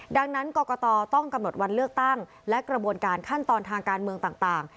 ดังนั้นกรกตต้องกำหนดวันเลือกตั้งและกระบวนการขั้นตอนทางการเมืองต่าง